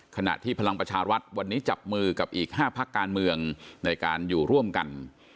ขณะที่พลังประชารัฐวันนี้จับมือกับอีก๕พักการเมืองในการอยู่ร่วมกัน